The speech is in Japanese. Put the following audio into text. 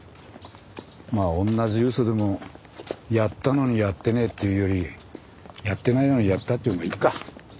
まあ同じ嘘でもやったのにやってねえって言うよりやってないのにやったって言うほうがいいか。